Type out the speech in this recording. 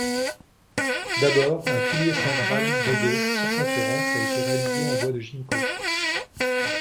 D'abord, un pilier central de de circonférence a été réalisé en bois de ginkgo.